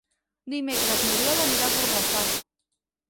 Dimecres n'Oriol anirà a Borrassà.